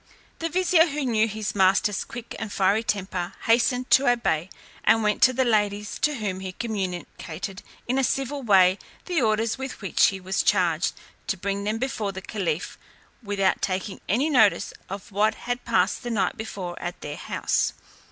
The vizier who knew his master's quick and fiery temper, hastened to obey, and went to the ladies, to whom he communicated, in a civil way,. the orders with which he was charged, to bring them before the caliph, without taking any notice of what had passed the night before at their house.